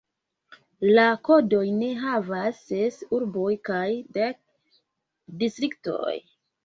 La kodojn havas ses urboj kaj dek distriktoj.